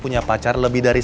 bagaimana jadinya bahasanya